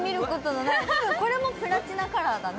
多分、これもプラチナカラーだね。